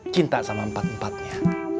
cinta sama empat empatnya